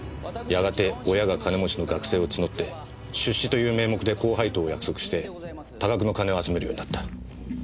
やがて親が金持ちの学生を募って出資という名目で高配当を約束して多額の金を集めるようになった。